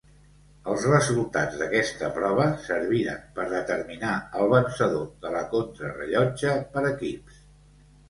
Els resultats d'aquesta prova serviren per determinar el vencedor de la contrarellotge per equips.